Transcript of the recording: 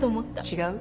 違う？